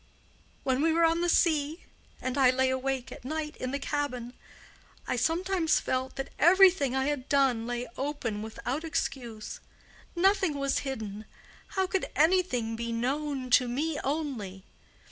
When we were on the sea, and I lay awake at night in the cabin, I sometimes felt that everything I had done lay open without excuse—nothing was hidden—how could anything be known to me only?